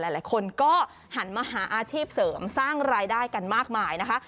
หลายคนก็หันมาหาอาชีพเสริมสร้างรายได้กันมากมายนะคะ